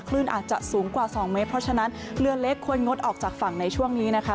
คลื่นอาจจะสูงกว่า๒เมตรเพราะฉะนั้นเรือเล็กควรงดออกจากฝั่งในช่วงนี้นะคะ